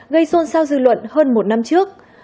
gây xôn xao dư luận hơn một năm trước